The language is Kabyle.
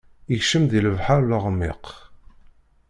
Ikcem di lebḥeṛ leɣmiq.